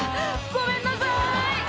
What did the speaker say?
ごめんなさい！」